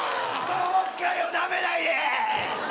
魔法使いをなめないで！